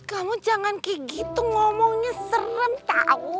kamu jangan kayak gitu ngomongnya serem tahu